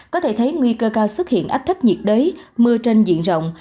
có thể thấy nguy cơ cao xuất hiện áp thấp nhiệt đới mưa trên diện rộng